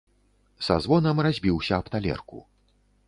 Са звонам разбіўся аб талерку.